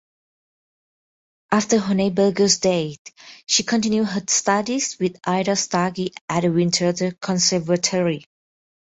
After Honigberger's death she continued her studies with Aida Stucki at the Winterthur Conservatory.